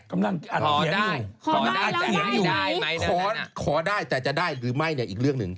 กำลังเขียนอยู่ขอได้เราเขียนอยู่ขอได้แต่จะได้หรือไม่เนี่ยอีกเรื่องหนึ่ง